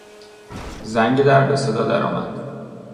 زنگ در به صدا درآمد.